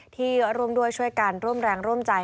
ที่ร่วมด้วยช่วยกันร่วมแรงร่วมใจ